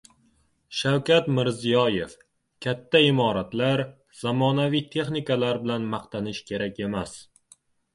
Shavkat Mirziyoev: "Katta imoratlar, zamonaviy texnikalar bilan maqtanish kerak emas"